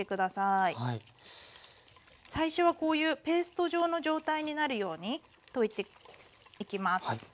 最初はこういうペースト状の状態になるように溶いていきます。